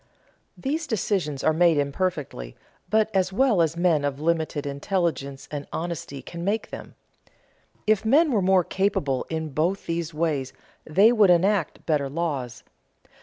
These decisions are made imperfectly, but as well as men of limited intelligence and honesty can make them. If men were more capable in both these ways they would enact better laws.